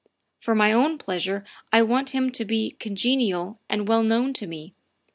For my own pleasure I want him to be con genial and well known to me.